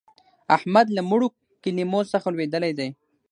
احمد له مړو کلمو څخه لوېدلی دی.